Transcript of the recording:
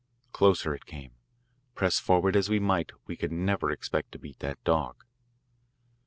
Closer it came. Press forward as we might, we could never expect to beat that dog.